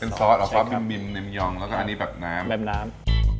เป็นซอสหรอครับบิมบิมในเมยองแล้วก็อันนี้แบบน้ำน้ำ